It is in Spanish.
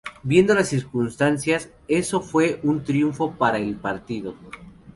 Viendo las circunstancias, eso fue un triunfo para el partido.